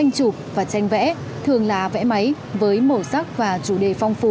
trường vẽ thường là vẽ máy với màu sắc và chủ đề phong phú